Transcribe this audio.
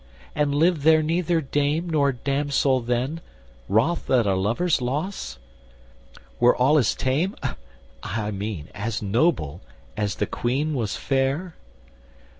And lived there neither dame nor damsel then Wroth at a lover's loss? were all as tame, I mean, as noble, as the Queen was fair?